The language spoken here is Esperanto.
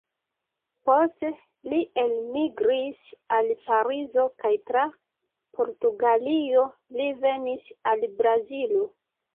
Poste li elmigris al Parizo kaj tra Portugalio li venis al Brazilo.